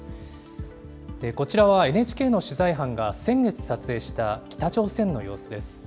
こちらはＮＨＫの取材班が先月撮影した北朝鮮の様子です。